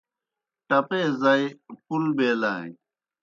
ٹپے زائی پُل بیلانیْ